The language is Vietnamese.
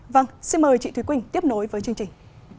vâng xin mời chị thúy quỳnh tiếp nối với chương trình